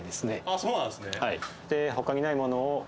あそうなんですね。